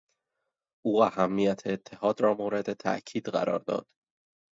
او اهمیت اتحاد را مورد تاکید قرار داد.